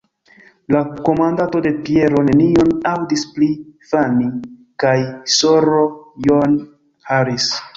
La komandanto de Pireo nenion aŭdis pri Fanni kaj S-ro John Harris.